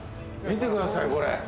見てくださいこれ。